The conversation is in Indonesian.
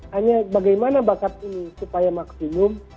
hanya bagaimana bakat ini supaya maksimum